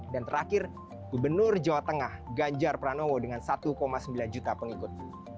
dan terakhir gubernur jawa tengah ganjar pranowo dengan satu sembilan juta pengikut